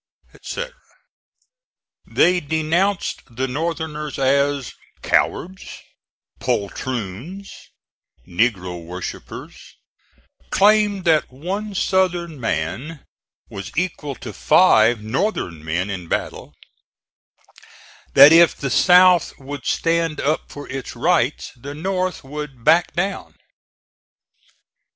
etc. They denounced the Northerners as cowards, poltroons, negro worshippers; claimed that one Southern man was equal to five Northern men in battle; that if the South would stand up for its rights the North would back down.